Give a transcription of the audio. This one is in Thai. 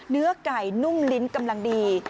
เนื้อไก่นุ่มลิ้นกำลังดี